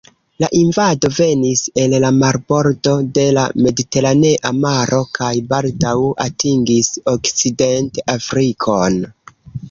La invado venis el la marbordo de la Mediteranea maro kaj baldaŭ atingis Okcident-Afrikon.